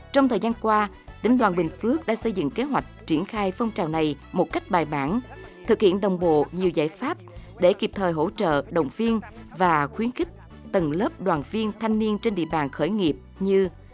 trong thời gian qua tỉnh đoàn bình phước đã xây dựng kế hoạch triển khai phong trào này một cách bài bản thực hiện đồng bộ nhiều giải pháp để kịp thời hỗ trợ đồng viên và khuyến khích tầng lớp đoàn viên thanh niên trên địa bàn khởi nghiệp như